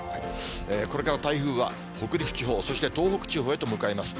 これから台風は北陸地方、そして東北地方へと向かいます。